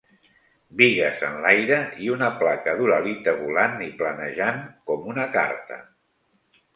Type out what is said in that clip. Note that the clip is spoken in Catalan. Bigues enlaire, i una placa d'uralita volant i planejant com una carta